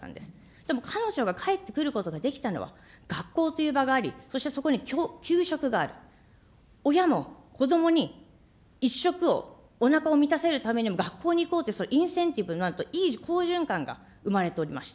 でも彼女が帰ってくることができたのは、学校という場があり、そしてそこに給食がある、親も子どもに１食を、おなかを満たせるためにも学校に行こうというインセンティブになると、いい好循環が生まれておりました。